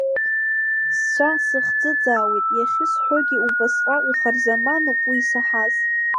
Сцәа сыхӡыӡаауеит иахьысҳәогьы, убасҟак ихарзамануп уи исаҳаз…